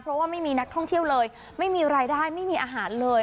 เพราะว่าไม่มีนักท่องเที่ยวเลยไม่มีรายได้ไม่มีอาหารเลย